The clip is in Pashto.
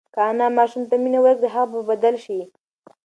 که انا ماشوم ته مینه ورکړي، هغه به بدل شي.